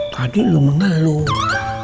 tadi lu mengeluh